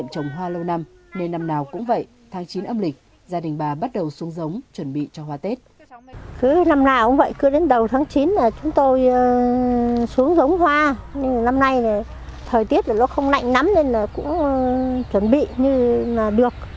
chúng tôi xuống giống hoa nhưng năm nay thời tiết không nạnh lắm nên cũng chuẩn bị như là được